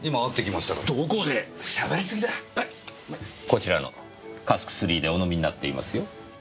こちらの「Ｃａｓｋ」でお飲みになっていますよ。